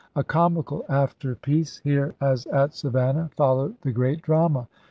A comical afterpiece — here, as at Savannah — followed the great drama.